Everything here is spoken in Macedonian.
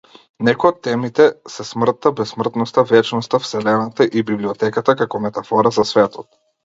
Некои од темите се смртта, бесмртноста, вечноста, вселената и библиотеката како метафора за светот.